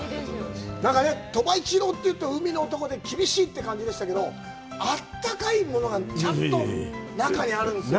なんか鳥羽一郎というと、海の男で厳しいって感じでしたけど、あったかいものが、ちゃんと中にあるんですよね。